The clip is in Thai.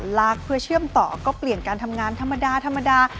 ลากเพื่อเชื่อมต่อก็เปลี่ยนการทำงานธรรมดาธรรมดา